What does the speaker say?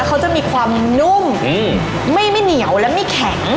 เขาจะมีความนุ่มไม่เหนียวและไม่แข็ง